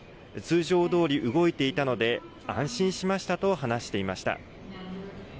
通常どおり動いていたので安心しましたと話していました。